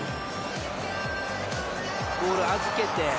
ボール預けて。